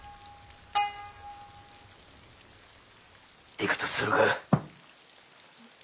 行くとするか。